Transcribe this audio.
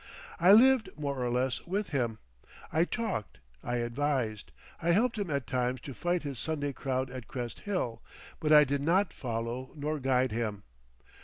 I lived more or less with him; I talked, I advised, I helped him at times to fight his Sunday crowd at Crest Hill, but I did not follow nor guide him.